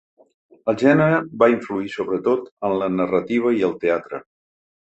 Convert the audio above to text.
El gènere va influir sobretot en la narrativa i el teatre.